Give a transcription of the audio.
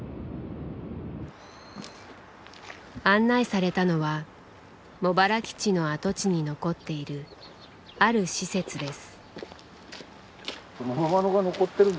案内されたのは茂原基地の跡地に残っているある施設です。